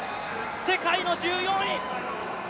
世界の１４位！